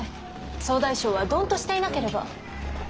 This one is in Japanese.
総大将はどんとしていなければ。